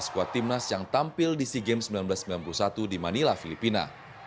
skuad timnas yang tampil di sea games seribu sembilan ratus sembilan puluh satu di manila filipina